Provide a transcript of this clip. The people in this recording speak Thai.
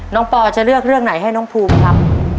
น้องพอจะเลือกเรื่องใครให้น้องพูมครับ